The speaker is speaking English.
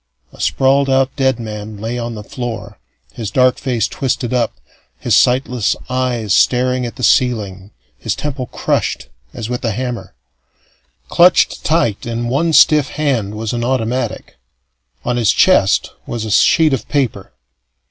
A sprawled out dead man lay on the floor, his dark face twisted up, his sightless eyes staring at the ceiling, his temple crushed as with a hammer. Clutched tight in one stiff hand was an automatic. On his chest was a sheet of paper.